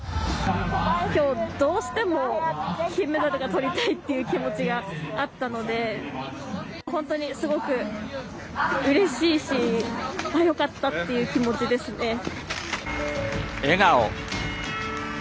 きょうは、どうしても金メダルを取りたいという気持ちがあったので本当にすごくうれしいしああ、よかったという気持ちですね。